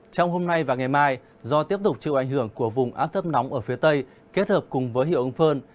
trong hôm nay và ngày mai do tiếp tục chịu ảnh hưởng của vùng áp thấp nóng ở phía tây kết hợp cùng với hiệu ứng phơn